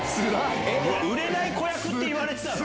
売れない子役って言われてたの？